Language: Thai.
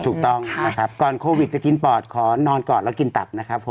ถูกต้องนะครับก่อนโควิดจะกินปอดขอนอนก่อนแล้วกินตับนะครับผม